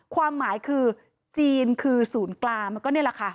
ความหมายคือจีนคือศูนย์กลางมันก็นี่แหละค่ะ